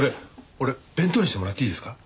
俺弁当にしてもらっていいですか？